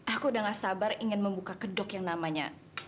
aku udah gak sabar ingin membuka kedok yang namanya